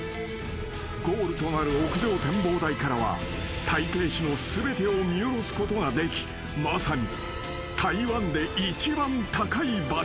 ［ゴールとなる屋上展望台からは台北市の全てを見下ろすことができまさに］